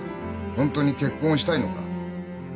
本当に結婚をしたいのか。